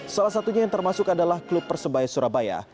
salah satunya yang termasuk adalah klub persebaya surabaya